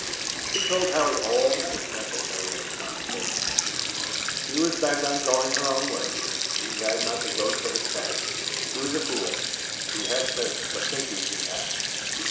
He told Harry all that was necessary of the conversation she was bent on going her own way, he had not the ghost of a chance he was a fool, she had said, for thinking he had.